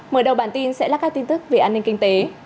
mở đầu bản tin sẽ là các tin tức về an ninh kinh tế